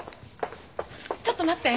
ちょっと待って！